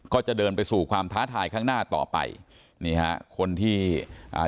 ก็จะเดินไปสู่ความท้าทายข้างหน้าต่อไปนี่ฮะคนที่อ่า